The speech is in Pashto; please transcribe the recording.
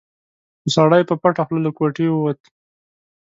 خو سړی په پټه خوله له کوټې ووت.